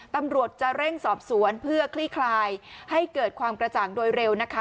ตำรวจจะเร่งสอบสวนเพื่อคลี่คลายให้เกิดความกระจ่างโดยเร็วนะคะ